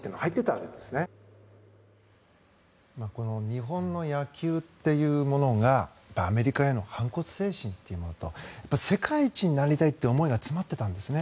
日本の野球っていうものがアメリカへの反骨精神というものと世界一になりたいという思いが詰まっていたんですね。